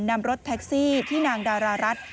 นำรถแท็กซี่ที่นางดารารัฐ